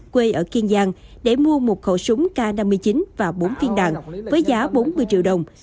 quê ở kiên giang để mua một khẩu súng k năm mươi chín và bốn viên đạn với giá bốn mươi triệu đồng